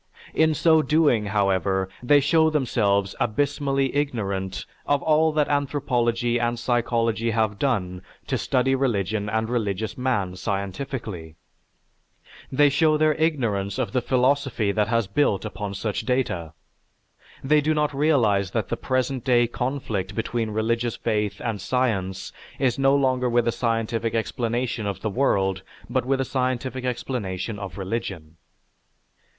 In so doing, however, they show themselves abysmally ignorant of all that anthropology and psychology have done to study religion and religious man scientifically. They show their ignorance of the philosophy that has built upon such data. They do not realize that the present day conflict between religious faith and science is no longer with a scientific explanation of the world, but with a scientific explanation of religion."